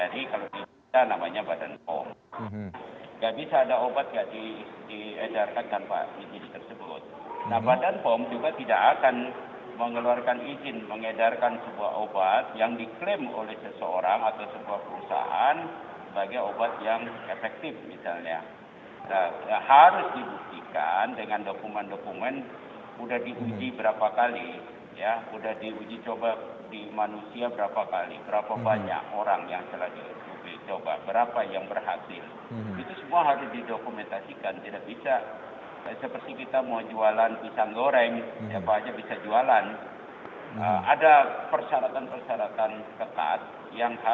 di cari informasi ke badan pom apakah